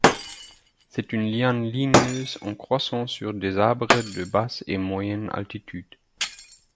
C'est une liane ligneuse en croissance sur des arbres de basse et moyenne altitude.